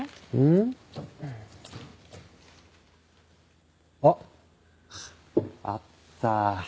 んっ？あっ！あった！